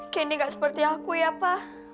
kini gak seperti aku ya pak